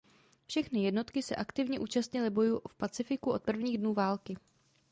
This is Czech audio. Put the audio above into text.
Všechny jednotky se aktivně účastnily bojů v Pacifiku od prvních dnů války.